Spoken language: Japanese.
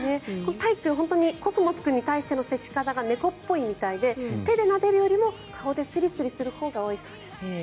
たい君はコスモス君に対する接し方が猫っぽいみたいで手でなでるよりも顔でスリスリするほうが多いそうです。